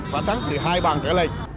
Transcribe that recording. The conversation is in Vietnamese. phải thắng từ hai bằng trở lên